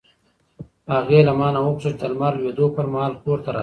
هغې له ما نه وغوښتل چې د لمر لوېدو پر مهال کور ته راشه.